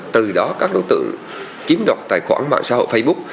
từ đó các đối tượng chiếm đoạt tài khoản mạng xã hội facebook